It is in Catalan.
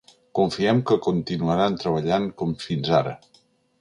Confiem que continuaran treballant com fins ara.